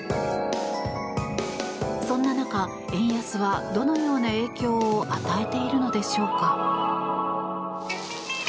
そんな中、円安はどのような影響を与えているのでしょうか。